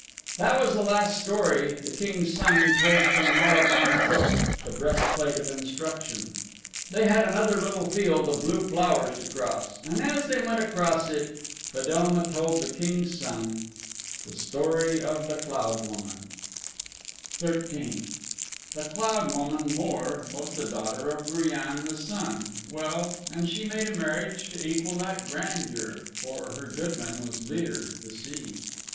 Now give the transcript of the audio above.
That was the last story the King's Son told from Maravaun's book, "The Breastplate of Instruction." They had another little field of blue flowers to cross, and as they went across it Fedelma told the King's Son THE STORY OF THE CLOUD WOMAN XIII The Cloud woman, Mor, was the daughter Of Griann, the Sun, well, and she Made a marriage to equal that grandeur, For her Goodman was Lir, the Sea.